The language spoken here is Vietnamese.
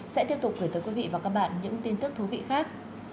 sẽ tiếp tục gửi tới quý vị và các bạn những tin tức thú vị khác